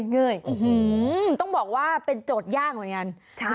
เย้ยต้องบอกว่าเป็นโจทย์ยากเหมือนกัน